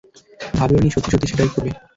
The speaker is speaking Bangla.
ভাবিওনি সত্যি সত্যি সেটাই করবে!